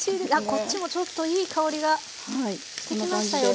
こっちもちょっといい香りがしてきましたよ